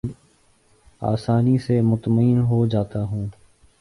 آسانی سے مطمئن ہو جاتا ہوں